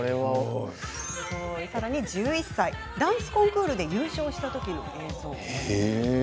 さらに１１歳、ダンスコンクールで優勝したときの映像。